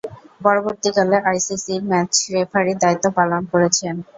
পরবর্তীকালে আইসিসি’র ম্যাচ রেফারির দায়িত্ব পালন করেছেন।